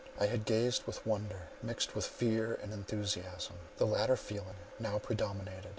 I had gazed with wonder, mixed with fear and enthusiasm. The latter feeling now predominated.